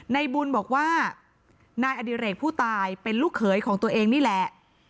ในบุญบอกว่านายอดิเรกผู้ตายเป็นลูกเขยของตัวเองนี่แหละ